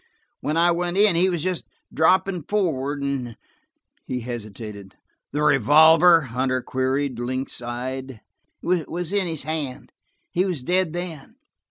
When I went in, he was just dropping forward, and–" he hesitated. "The revolver?" Hunter queried, lynx eyed. "Was in his hand. He was dead then."